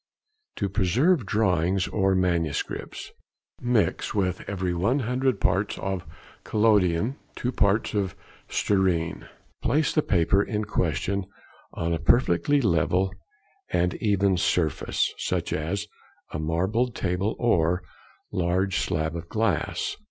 To preserve drawings or manuscripts.—Mix with every 100 parts of collodion 2 parts of sterine. Place the paper in question on a perfectly level and even surface, such as a marble table or large slab of glass.